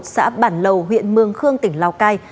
xã bản lầu huyện mương khương tỉnh lào cai